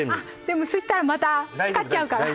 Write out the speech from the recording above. でもそしたらまた光っちゃうから。